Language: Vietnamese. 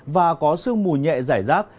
và có sương mù nhẹ rải rác